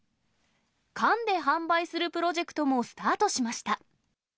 缶で販売するプロジェクトもスタートしました。